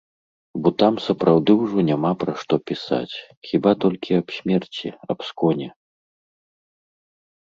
Бо там сапраўды ўжо няма пра што пісаць, хіба толькі аб смерці, аб сконе.